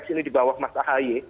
ini di bawah mas ahaye